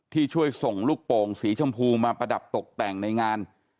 ที่ช่วยส่งลูกโป่งสีชมพูมาประดับตกแต่งในงาน